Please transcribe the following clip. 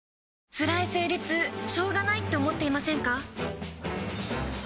つらい生理痛しょうがないって思っていませんか？